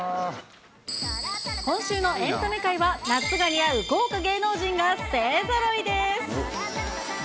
今週のエンタメ界は、夏が似合う豪華芸能人が勢ぞろいです。